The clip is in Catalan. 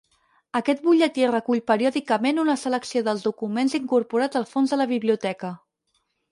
Aquest Butlletí recull periòdicament una selecció dels documents incorporats al fons de la Biblioteca.